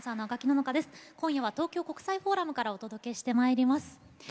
今夜は東京国際フォーラムからお届けしてまいります。